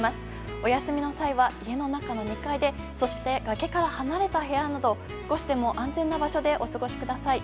お休みの際は、家の中の２階でそして崖から離れた部屋など少しでも安全な場所でお過ごしください。